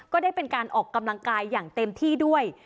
ก็ได้เป็นการออกกำลังกายอย่างเต็มที่ด้วย